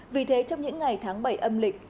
vì thế trong những ngày tháng bảy âm lịch